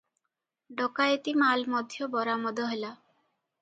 ଡକାଏତି ମାଲ ମଧ୍ୟ ବରାମଦ ହେଲା ।